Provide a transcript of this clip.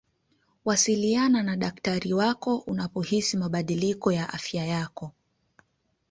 wasiliana na dakitari wako unapohisi mabadiliko ya afya yako